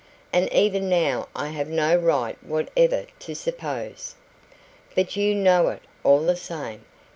And even now I have no right whatever to suppose " "But you know it, all the same.